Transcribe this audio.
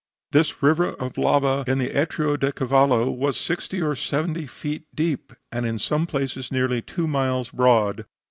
This river of lava in the Atrio del Cavallo was sixty or seventy feet deep, and in some places nearly two miles broad.